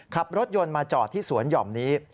ขับรถยนต์มาจอดที่สวนหย่อมนี้